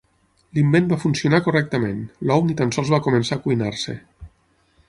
L'invent va funcionar correctament, l'ou ni tan sols va començar a cuinar-se.